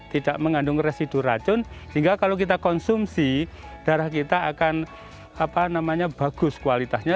tidak mengandung residu racun sehingga kalau kita konsumsi darah kita akan bagus kualitasnya